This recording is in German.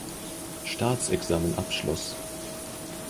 Staatsexamen abschloss.